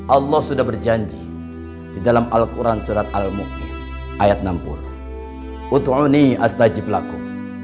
allah sudah berjanji di dalam alquran surat al mu'min ayat enam puluh utu'uni astajib laku